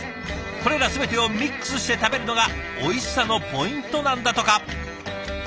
これら全てをミックスして食べるのがおいしさのポイントなんだとか。